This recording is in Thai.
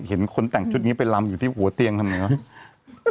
เห็นคนแต่งชุดนี้ไปลำอยู่ที่หัวเตียงทำไงครับ